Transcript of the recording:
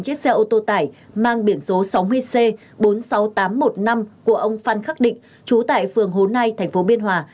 chiếc xe ô tô tải mang biển số sáu mươi c bốn mươi sáu nghìn tám trăm một mươi năm của ông phan khắc định trú tại phường hồ nai tp biên hòa